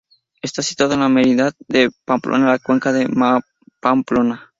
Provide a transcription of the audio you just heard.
Está situado en la Merindad de Pamplona, en la Cuenca de Pamplona.